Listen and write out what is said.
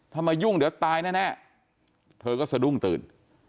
ถ้ามายุ่งเดี๋ยวตายแน่เธอก็สะดุ้งตื่น